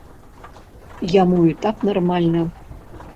Яму і так нармальна.